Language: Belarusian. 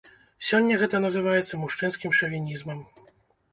Сёння гэта называецца мужчынскім шавінізмам.